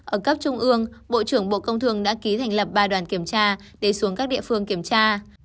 ở cấp trung ương bộ trưởng bộ công thường đã ký thành lập ba đoàn kiểm tra để xuống các địa phương kiểm tra